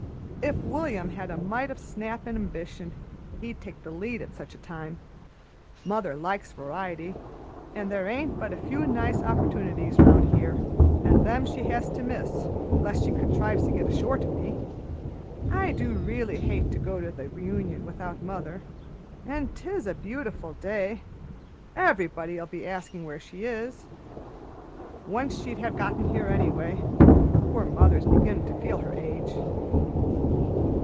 If William had a mite o' snap an' ambition, he'd take the lead at such a time. Mother likes variety, and there ain't but a few nice opportunities 'round here, an' them she has to miss 'less she contrives to get ashore to me. I do re'lly hate to go to the reunion without mother, an' 'tis a beautiful day; everybody'll be asking where she is. Once she'd have got here anyway. Poor mother's beginnin' to feel her age."